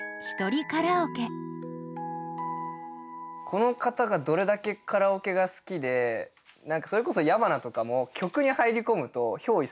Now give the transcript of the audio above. この方がどれだけカラオケが好きでそれこそ矢花とかも曲に入り込むと憑依するタイプなんですよ。